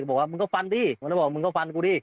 บอกว่ามึงก็ฟันดีบอกเดี๋ยวมึงก็ฟันกูดี